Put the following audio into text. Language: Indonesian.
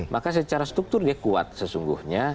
maka secara struktur dia kuat sesungguhnya